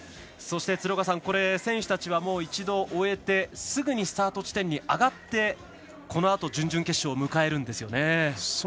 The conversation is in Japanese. そして、鶴岡さん選手たちは一度、終えてすぐにスタート地点に上がってこのあと準々決勝を迎えるんですよね。